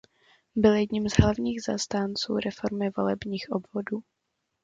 Byl jedním z hlavních zastánců reformy volebních obvodů.